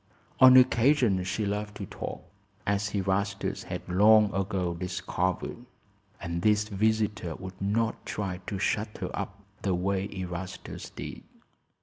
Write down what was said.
On occasions she loved to talk, as Erastus had long ago discovered; and this visitor would not try to shut her up the way Erastus did.